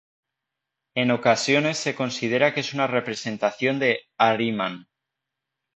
En ocasiones se considera que es una representación de Ahriman.